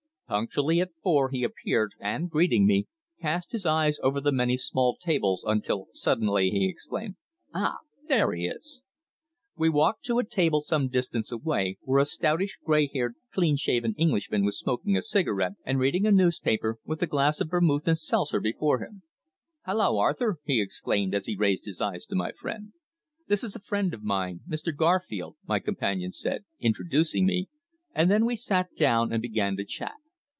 Punctually at four he appeared, and greeting me, cast his eyes over the many small tables, until suddenly he exclaimed: "Ah! There he is!" We walked to a table some distance away, where a stoutish, grey haired, clean shaven Englishman was smoking a cigarette and reading a newspaper, with a glass of vermouth and seltzer before him. "Hallo, Arthur!" he exclaimed as he raised his eyes to my friend. "This is a friend of mine, Mr. Garfield," my companion said, introducing me, and then we sat down and began to chat.